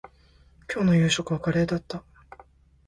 今日の夕飯はカレーだった